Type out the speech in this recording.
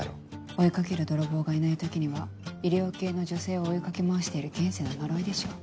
追い掛ける泥棒がいない時には医療系の女性を追い掛け回してる現世の呪いでしょう。